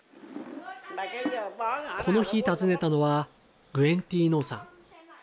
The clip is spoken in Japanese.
この日訪ねたのは、グエン・ティ・ノーさん。